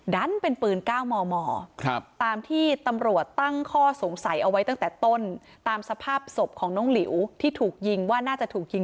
เป็นปืน๙มมตามที่ตำรวจตั้งข้อสงสัยเอาไว้ตั้งแต่ต้นตามสภาพศพของน้องหลิวที่ถูกยิงว่าน่าจะถูกยิง